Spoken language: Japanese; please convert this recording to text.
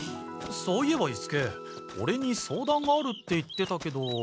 そういえば伊助オレに相談があるって言ってたけど。